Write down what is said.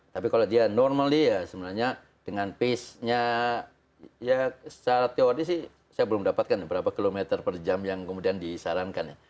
tapi kalau dia normaly ya sebenarnya dengan pace nya ya secara teori sih saya belum dapatkan berapa kilometer per jam yang kemudian disarankan ya